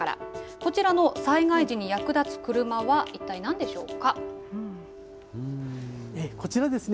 こちらの災害時に役立つ車は、一体なんでしょうか。